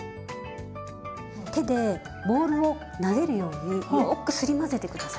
手でボウルをなでるようによくすり混ぜて下さい。